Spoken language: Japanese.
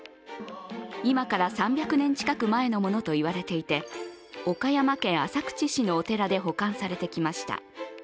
今から３００年近く前のものといわれていて岡山県浅口市のお寺で保管されてきました。